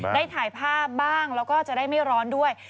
ได้ถ่ายภาพบ้างแล้วก็จะได้ไม่ร้อนด้วย